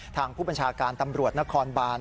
ทางผู้บัญชาการตำรวจนครบาน